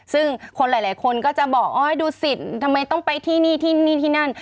ซึ่งคนหลายคนก็จะบอกดูสิตทำไมต้องไปที่นี่ที่นี่ที่นั่น